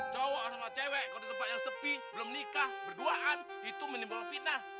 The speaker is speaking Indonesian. cowok sama cewek kalau di tempat yang sepi belum nikah berduaan itu menimbulkan fitnah